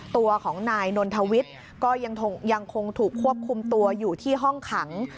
ตัวของนายนนทวิทย์ก็ยังคงถูกควบคุมตัวอยู่ที่ห้องขัง